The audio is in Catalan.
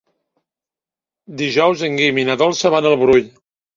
Dijous en Guim i na Dolça van al Brull.